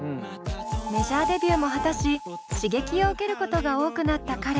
メジャーデビューも果たし刺激を受けることが多くなった彼。